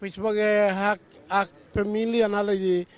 sebagai hak pemilihan hal ini